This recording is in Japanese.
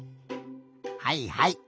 はいはい。